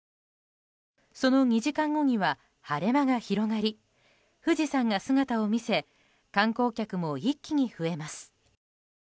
その２時間後には晴れ間が広がり観光客も一気に増えます。